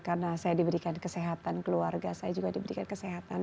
karena saya diberikan kesehatan keluarga saya juga diberikan kesehatan